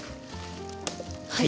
はい。